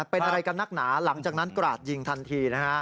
เป็นอะไรกันนักหนาหลังจากนั้นกราดยิงทันทีนะฮะ